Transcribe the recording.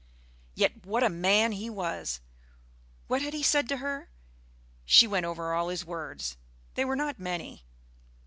Yet what a man he was! What had he said to her? She went over all his words.... They were not many.